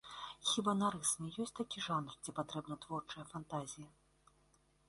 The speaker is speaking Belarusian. Хіба нарыс не ёсць такі жанр, дзе патрэбна творчая фантазія?